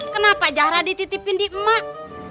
kenapa jahra dititipin di emak